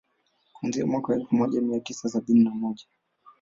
Kuanzia mwaka elfu moja mia tisa sabini na moja